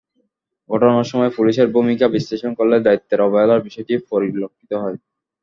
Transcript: ঘটনার সময় পুলিশের ভূমিকা বিশ্লেষণ করলে দায়িত্বে অবহেলার বিষয়টি পরিলক্ষিত হয়।